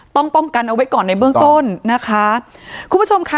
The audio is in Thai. ต้องป้องกันเอาไว้ก่อนในเบื้องต้นนะคะคุณผู้ชมค่ะ